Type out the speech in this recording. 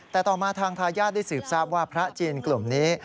แต่ต่อมาทางทายาทได้สืบทราบว่าพระจีนกลุ่มนี้